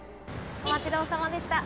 お待ちどおさまでした。